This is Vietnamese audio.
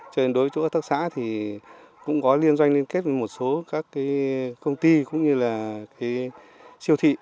cho nên đối với chỗ hợp tác xã thì cũng có liên doanh liên kết với một số các công ty cũng như là siêu thị